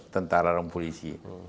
tentara dan polisi